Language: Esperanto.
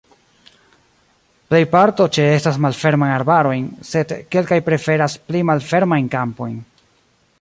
Plej parto ĉeestas malfermajn arbarojn, sed kelkaj preferas pli malfermajn kampojn.